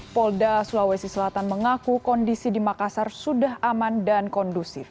polda sulawesi selatan mengaku kondisi di makassar sudah aman dan kondusif